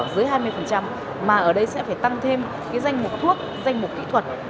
dưới hai mươi mà ở đây sẽ phải tăng thêm danh mục thuốc danh mục kỹ thuật